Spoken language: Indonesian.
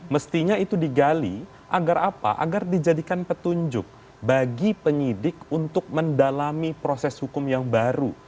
mestinya itu digali agar apa agar dijadikan petunjuk bagi penyidik untuk mendalami proses hukum yang baru